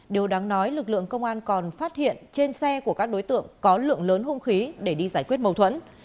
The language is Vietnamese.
điều đáng nói lực lượng công an còn phát hiện trên xe của các đối tượng có lượng lớn hung khí để đi giải quyết mâu thuẫn